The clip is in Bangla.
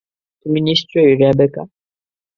তুমি নিশ্চয়ই রেবেকা।